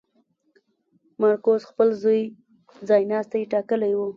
مارکوس خپل زوی ځایناستی ټاکلی و.